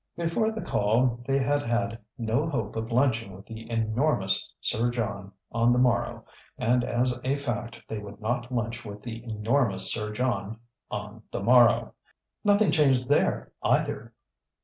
Before the call they had had no hope of lunching with the enormous Sir John on the morrow, and as a fact they would not lunch with the enormous Sir John on the morrow. Nothing changed there either!